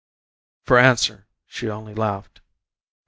For answer she only laughed.